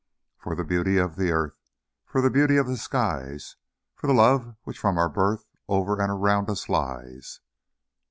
"For the beauty of the earth, For the beauty of the skies, For the love which from our birth Over and around us lies."